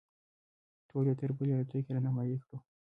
ټول یې تر بلې الوتکې رهنمایي کړو.